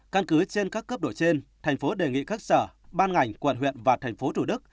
căn cứ trên các cấp đổi trên thành phố đề nghị các sở ban ngành quận huyện và thành phố chủ đức